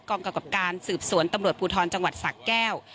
กรรมกรรมกรรมการสืบสวนตำรวจพูทรจังหวัดสะแก้ว